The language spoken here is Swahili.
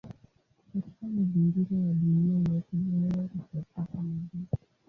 Katika mazingira ya dunia yetu hewa hutokea kama gesi.